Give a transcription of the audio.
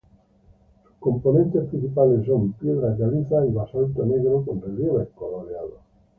Sus componentes principales son piedra caliza y basalto negro, con relieves coloreados.